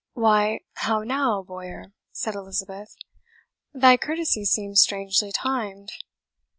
"Why, how now, Bowyer?" said Elizabeth, "thy courtesy seems strangely timed!"